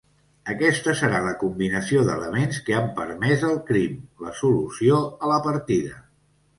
Aquesta serà la combinació d'elements que han permès el crim, la solució a la partida.